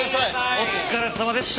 お疲れさまでした！